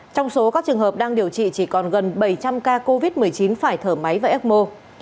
trong số các trường hợp đang điều trị chỉ còn gần bảy trăm linh ca covid một mươi chín phải thở máy và ecmo